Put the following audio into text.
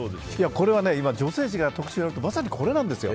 これは今女性誌が特集組んでるのがまさにこれなんですよ。